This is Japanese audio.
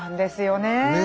ねえ。